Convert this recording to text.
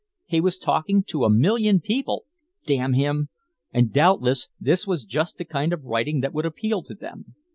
He was talking to a million people, damn him, and doubtless this was just the kind of writing that would appeal to them.